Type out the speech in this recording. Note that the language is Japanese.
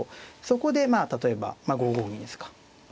そこでまあ例えば５五銀ですか。